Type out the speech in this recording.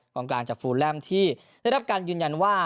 กลางกลางจากฟูแลมที่ได้รับการยืนยันว่า